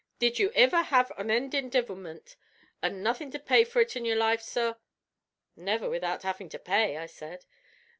Did you iver have onendin' devilmint, an' nothin' to pay for it in your life, sorr?" "Never without having to pay," I said.